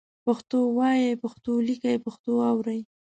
پښتو وایئ، پښتو لیکئ، پښتو اورئ